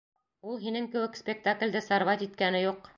Ул һинең кеүек спектаклде сорвать иткәне юҡ!